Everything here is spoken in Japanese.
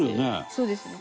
そうですね。